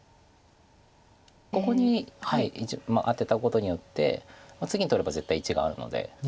ここにアテたことによって次に取れば絶対１眼あるので。